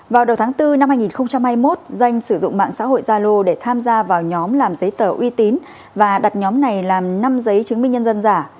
vào đầu tháng bốn năm hai nghìn hai mươi một danh sử dụng mạng xã hội zalo để tham gia vào nhóm làm giấy tờ uy tín và đặt nhóm này làm năm giấy chứng minh nhân dân giả